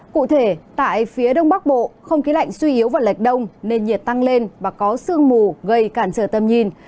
cụ thể tại phía đông bắc bộ không khí lạnh suy yếu vào lệch đông nên nhiệt tăng lên và có sương mù gây cản trở tầm nhìn